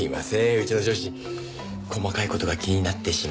うちの上司細かい事が気になってしまう。